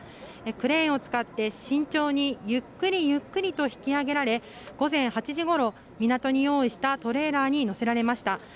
クレーンを使って慎重にゆっくりゆっくりと引き揚げられ午前８時ごろ港に用意したトレーラーに載せられました。